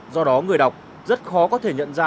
do đó người đọc rất khó có thể nhận ra